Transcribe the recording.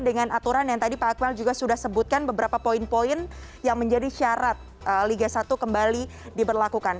dengan aturan yang tadi pak akmal juga sudah sebutkan beberapa poin poin yang menjadi syarat liga satu kembali diberlakukan